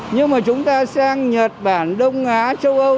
nhưng mà chúng ta sang nhật bản đông á châu âu